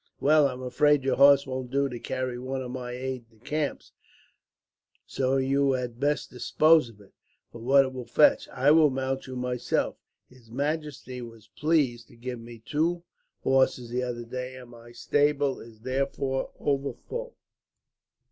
"Well, I am afraid your horse won't do to carry one of my aides de camp, so you had best dispose of it, for what it will fetch. I will mount you myself. His majesty was pleased to give me two horses, the other day, and my stable is therefore over full.